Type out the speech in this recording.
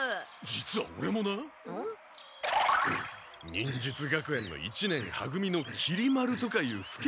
忍術学園の一年は組のきり丸とかいうふけた忍